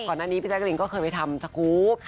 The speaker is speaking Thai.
ก่อนหน้านี้พี่แจ๊กลินก็เคยไปทำสกรูป